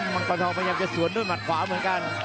ังปลาทองพยายามจะสวนด้วยหมัดขวาเหมือนกัน